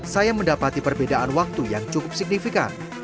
saya mendapati perbedaan waktu yang cukup signifikan